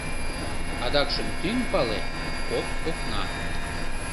Адакшым тӱҥ пале — кок окна.